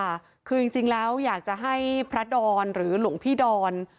ค่ะคือจริงแล้วอยากจะให้พระดอนหรือหลวงพี่ดอน